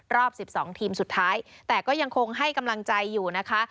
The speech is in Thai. รอบ๑๒ทีมสุดท้ายแต่ก็ยังคงให้กำลังใจอยู่นะคะ